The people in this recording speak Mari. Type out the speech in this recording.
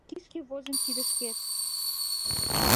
Кишке возын кидышкет?..